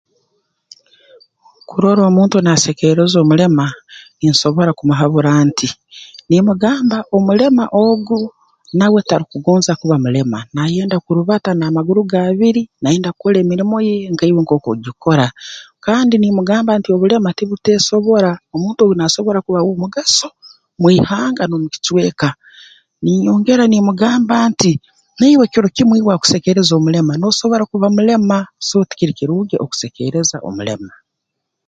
Kurora omuntu naasekeereza omulema nsobora kumuhabura nti nimmugamba omulema ogu nawe tarukugonza kuba mulema naayenda kurubata n'amaguru ge abiri naayenda kukora emirimo ye nka iwe nk'oku okugikora kandi nimmugamba nti obulema ti buteesobora omuntu ogu naasobora kuba w'omugaso mu ihanga n'omu kicweka ninyongera nimugamba nti naiwe kiro kimu iwe akusekeereza omulema noosobora kuba mulema so tikiri kirungi okusekeereza omulema